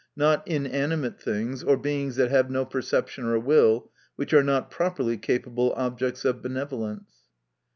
Not inani mate things, or Beings that have no perception or will, which are not properly capable objects of benevolence.